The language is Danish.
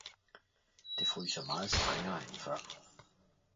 det fryser meget strengere end før!